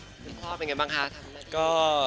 คุณพ่อเป็นไงบ้างคะ